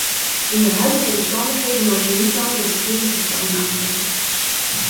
In de huidige omstandigheden mogen wij niet langer de verkeerde personen aanpakken.